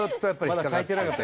まだ咲いてなかった。